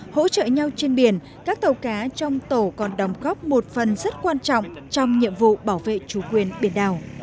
hỗ trợ nhau trên biển các tàu cá trong tổ còn đóng góp một phần rất quan trọng trong nhiệm vụ bảo vệ chủ quyền biển đảo